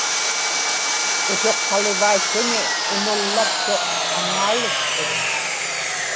utuqqalivaił̣ł̣uni imullaktuq aŋaalukput